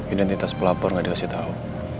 identitas pelapor nggak dikasih tahu